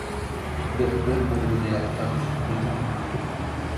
Беҙ бер-беребеҙҙе яратабыҙ, белдеңме?!